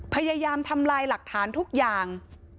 พยายามทำลายหลักฐานทุกอย่าง